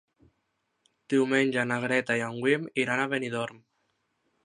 Diumenge na Greta i en Guim iran a Benidorm.